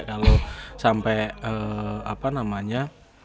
kalau sampai apa namanya